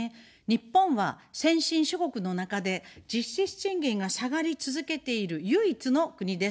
日本は、先進諸国の中で実質賃金が下がり続けている唯一の国です。